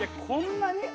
こんなに？